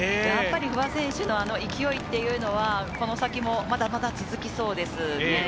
不破選手の勢いっていうのはこの先もまだまだ続きそうです。